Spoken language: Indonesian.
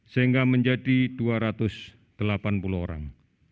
sehingga menjadi dua ratus delapan puluh orang